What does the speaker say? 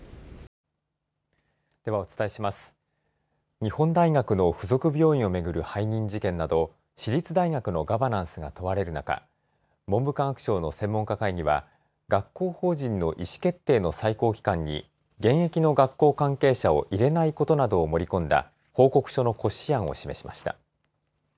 日本大学の付属病院を巡る背任事件など、私立大学のガバナンスが問われる中、文部科学省の専門家会議は、学校法人の意思決定の最高機関に、現役の学校関係者を入れないことなどを盛り込んだ報告書の骨子案を示しました。